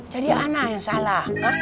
jadi anak yang salah